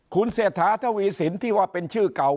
คุณเศรษฐาทวีสินที่ว่าเป็นชื่อเก่า